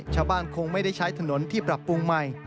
ชาวบ้านคงไม่ได้ใช้ถนนที่ปรับปรุงใหม่